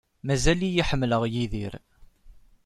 Mazal-iyi ḥemmleɣ Yidir.